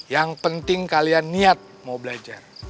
yang penting kalian niat mau belajar